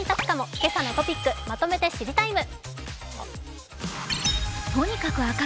「けさのトピックまとめて知りＴＩＭＥ，」。